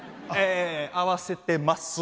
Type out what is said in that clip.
え合わせてます。